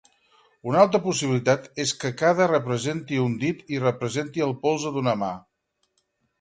Una altra possibilitat és que cada representi un dit i representi el polze d'una mà.